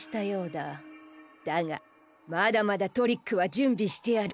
だがまだまだトリックはじゅんびしてある。